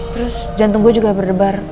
terus jantung gue juga berdebar